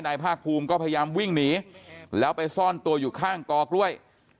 ภาคภูมิก็พยายามวิ่งหนีแล้วไปซ่อนตัวอยู่ข้างกอกล้วย